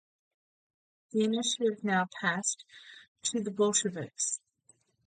The initiative now passed to the Bolsheviks.